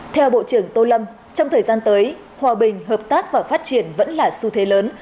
theo bộ trưởng tô lâm trong thời gian tới hòa bình hợp tác và phát triển vẫn là xu thế lớn